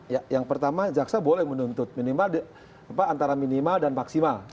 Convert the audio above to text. ya yang pertama jaksa boleh menuntut minimal antara minimal dan maksimal